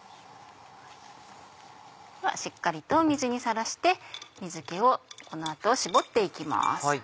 しっかりと水にさらして水気をこの後絞って行きます。